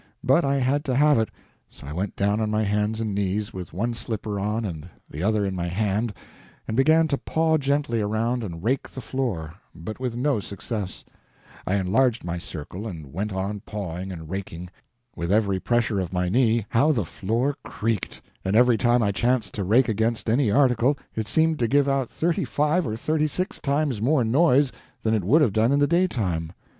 But I had to have it; so I went down on my hands and knees, with one slipper on and the other in my hand, and began to paw gently around and rake the floor, but with no success. I enlarged my circle, and went on pawing and raking. With every pressure of my knee, how the floor creaked! and every time I chanced to rake against any article, it seemed to give out thirty five or thirty six times more noise than it would have done in the daytime.